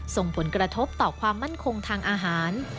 ส่งผลกระทบต่อความมั่นคงทางอาหาร